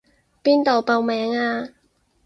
邊度報名啊？